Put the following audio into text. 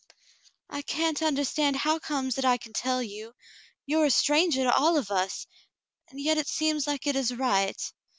"I can't understand how comes it I can tell you; you are a strangah to all of us — and yet it seems like it is right.